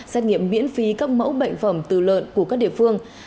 xét nghiệm miễn phí các mẫu bệnh phẩm từ lợn của các địa phương